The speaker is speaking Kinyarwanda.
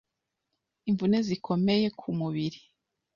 imvune zikomeye ku mubiri,